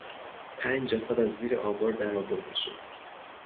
پنج جسد از زیر آوار درآورده شد.